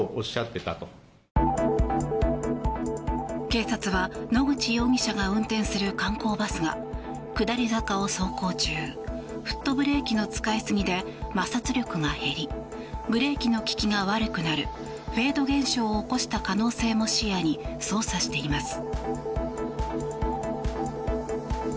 警察は野口容疑者が運転する観光バスが下り坂を走行中フットブレーキの使い過ぎで摩擦力が減りブレーキの利きが悪くなるフェード現象を起こした可能性も視野に捜査しています。